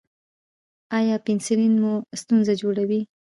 ایا پنسلین مو ستونزه جوړوي؟